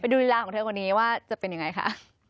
ไปดูเวลาของเธอวันนี้ว่าจะเป็นอย่างไรคะ